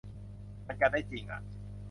มันกันได้จิงอ่ะ